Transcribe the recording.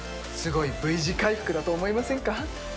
すごいＶ字回復だと思いませんか？